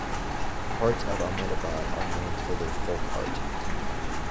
Parts of Ahmedabad are known for their folk art.